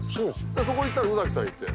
そこ行ったら宇崎さんいて。